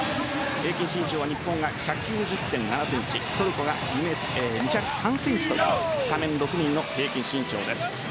平均身長は日本が１９０．７ｃｍトルコが２０３ｃｍというスタメン６人の平均身長です。